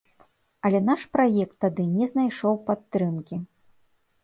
Але наш праект тады не знайшоў падтрымкі.